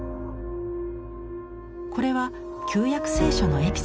これは旧約聖書のエピソード。